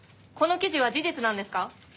この記事は事実なんですか？